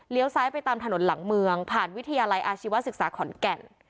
ซ้ายไปตามถนนหลังเมืองผ่านวิทยาลัยอาชีวศึกษาขอนแก่น